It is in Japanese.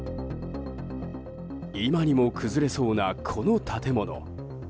今にも崩れそうな、この建物。